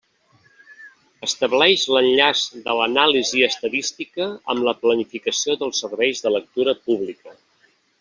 Estableix l'enllaç de l'anàlisi estadística amb la planificació dels serveis de lectura pública.